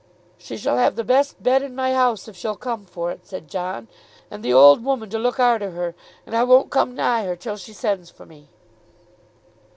"She shall have the best bed in my house if she'll come for it," said John, "and the old woman to look arter her; and I won't come nigh her till she sends for me."